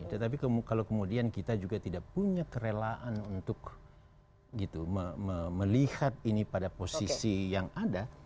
tetapi kalau kemudian kita juga tidak punya kerelaan untuk melihat ini pada posisi yang ada